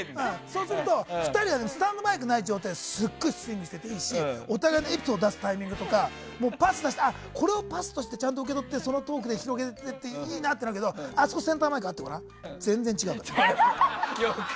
そうすると、２人の間にスタンドマイクない状態ですごいスイングしていていいしお互いのエピソード出すタイミングとかこれをパスとしてちゃんと受け取ってそのトークで広げていっていいなってなるけどセンターマイクあってごらん全然違うよ。